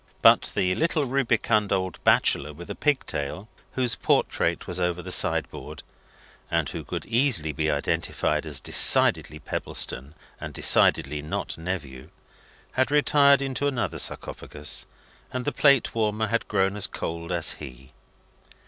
But the little rubicund old bachelor with a pigtail, whose portrait was over the sideboard (and who could easily be identified as decidedly Pebbleson and decidedly not Nephew), had retired into another sarcophagus, and the plate warmer had grown as cold as he.